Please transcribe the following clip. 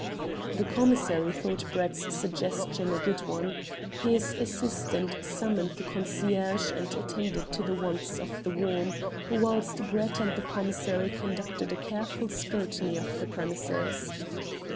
The commissary thought Brett's suggestion a good one. His assistant summoned the concierge and attended to the wants of "The Worm," whilst Brett and the commissary conducted a careful scrutiny of the premises.